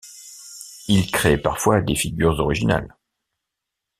Il crée parfois des figures originales.